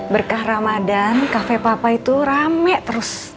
berkah ramadan kafe papa itu rame terus